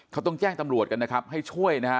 ก็ต้องแจ้งตำรวจกันกับได้ช่วย